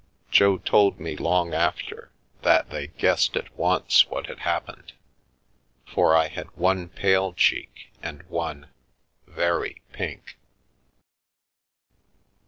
Jo told me long after that they guessed at once what had happened, for I had one pale cheek and one — very pink